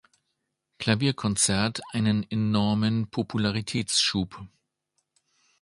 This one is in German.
Klavierkonzert einen enormen Popularitätsschub.